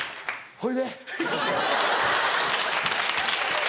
「ほいで」。